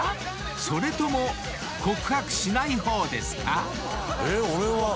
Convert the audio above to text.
［それとも告白しない方ですか？］